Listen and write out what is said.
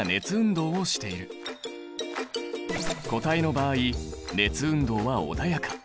固体の場合熱運動は穏やか。